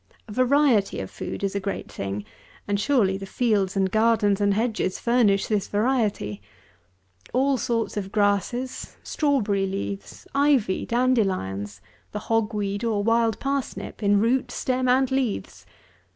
A variety of food is a great thing; and, surely, the fields and gardens and hedges furnish this variety! All sorts of grasses, strawberry leaves, ivy, dandelions, the hog weed or wild parsnip, in root, stem, and leaves.